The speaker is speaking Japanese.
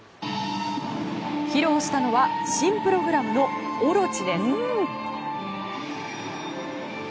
披露したのは新プログラムの「大蛇オロチ」です。